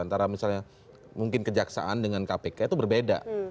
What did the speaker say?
antara misalnya mungkin kejaksaan dengan kpk itu berbeda